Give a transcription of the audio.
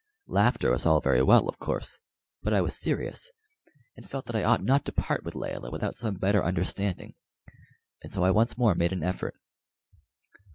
Laughter was all very well, of course; but I was serious and felt that I ought not to part with Layelah without some better understanding, and so I once more made an effort.